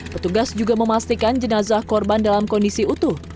petugas juga memastikan jenazah korban dalam kondisi utuh